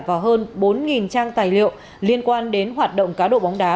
và hơn bốn trang tài liệu liên quan đến hoạt động cá độ bóng đá